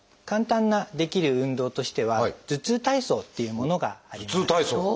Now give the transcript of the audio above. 簡単なできる運動としては「頭痛体操」っていうものがあります。